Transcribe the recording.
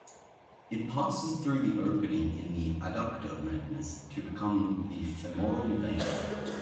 It passes through the opening in the adductor magnus to become the femoral vein.